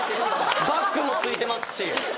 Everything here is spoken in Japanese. ⁉バックもついてますし。